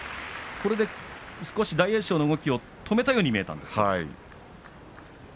これで大栄翔の動きを止めたように見えたんですが。